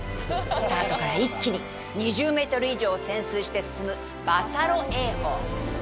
スタートから一気に２０メートル以上を潜水して進むバサロ泳法。